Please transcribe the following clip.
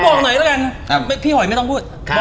บอกหน่อยด้วยกันเออพี่หอยไม่ต้องพูดครับ